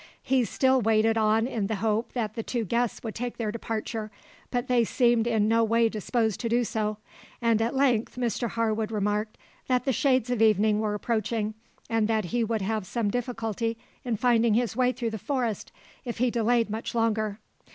He still waited on in the hope that the two guests would take their departure, but they seemed in no way disposed to do so, and at length Mr Harwood remarked that the shades of evening were approaching, and that he would have some difficulty in finding his way through the forest, if he delayed much longer.